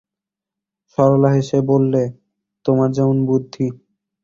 সরলা হেসে বললে, তোমার যেমন বুদ্ধি!